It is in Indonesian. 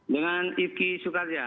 dengan iki sukarja